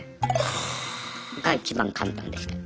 が一番簡単でした。